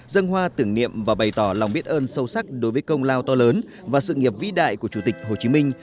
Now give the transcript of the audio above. dân hoa tưởng niệm và bày tỏ lòng biết ơn sâu sắc đối với công lao to lớn và sự nghiệp vĩ đại của chủ tịch hồ chí minh